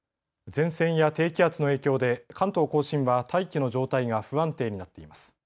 前線や低気圧の影響で関東甲信は大気の状態が不安定になっています。